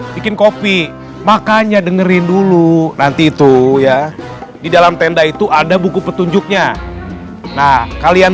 bikin kopi makanya dengerin dulu nanti itu ya di dalam tenda itu ada buku petunjuknya nah kalian